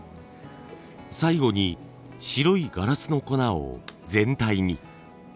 最後に白いガラスの粉を全体に。